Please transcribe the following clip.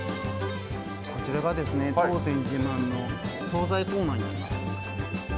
こちらが、当店自慢の総菜コーナーになります。